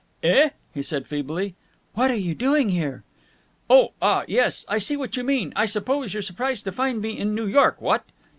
"Eh?" he said feebly. "What are you doing here?" "Oh, ah, yes! I see what you mean! I suppose you're surprised to find me in New York, what?"